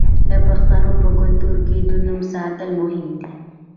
د پښتنو په کلتور کې د نوم ساتل مهم دي.